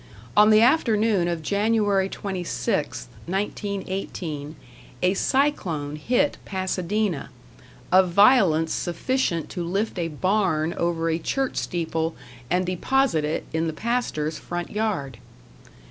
On the afternoon of Jan. 26th, 1918, a cyclone hit Pasadena, of violence sufficient to lift a barn over a church steeple and deposit it in the pastor's front yard.